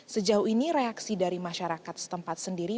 sejauh ini reaksi dari masyarakat setempat sendiri